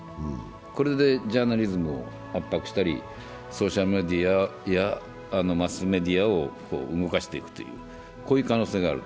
これでジャーナリズムを圧迫したりソーシャルメディアやマスメディアを動かしていくという可能性がある。